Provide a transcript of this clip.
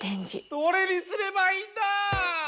どれにすればいいんだ！